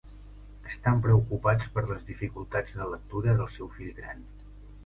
Estan preocupats per les dificultats de lectura del seu fill gran.